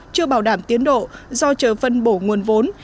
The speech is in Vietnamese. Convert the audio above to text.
chưa bảo đảm tiến độ do chờ phân bổ nguồn vốn